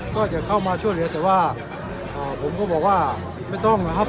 ก็จะเข้ามาช่วยเหลือแต่ว่าผมก็บอกว่าไม่ต้องนะครับ